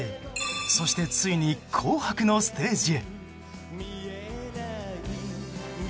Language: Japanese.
そしてついに「紅白」のステージへ。